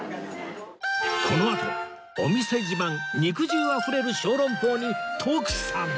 このあとお店自慢肉汁あふれる小籠包に徳さん